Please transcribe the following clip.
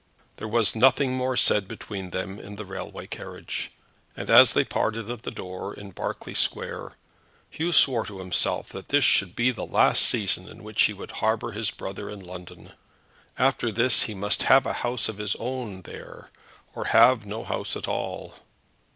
There was nothing more said between them in the railway carriage, and, as they parted at the door in Berkeley Square, Hugh swore to himself that this should be the last season in which he would harbour his brother in London. After this he must have a house of his own there, or have no house at all.